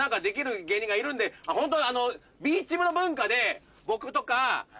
ホント。